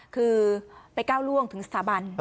คือไปก้าวล่วงถึงสถาบัน